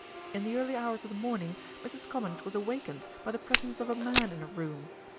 In the early hours of the morning Mrs. Comminge was awakened by the presence of a man in her room.